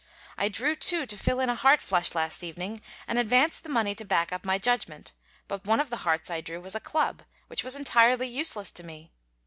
I drew two to fill in a heart flush last evening, and advanced the money to back up my judgment; but one of the hearts I drew was a club, which was entirely useless to me.